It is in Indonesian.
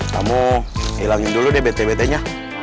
kamu hilangin dulu deh bete betenya